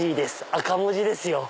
赤文字ですよ。